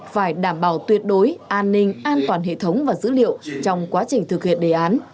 phải đảm bảo tuyệt đối an ninh an toàn hệ thống và dữ liệu trong quá trình thực hiện đề án